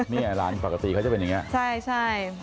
เนี่ยร้านปกติเขาจะเป็นอย่างนี้ใช่